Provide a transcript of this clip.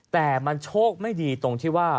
แต่มันโชคไม่ดีตรงที่ว่า